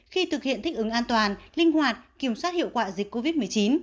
khi thực hiện thích ứng an toàn linh hoạt kiểm soát hiệu quả dịch covid một mươi chín